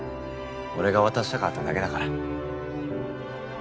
俺が渡したかっただけだから。